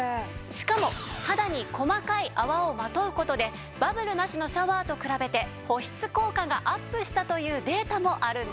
しかも肌に細かい泡をまとう事でバブルなしのシャワーと比べて保湿効果がアップしたというデータもあるんです。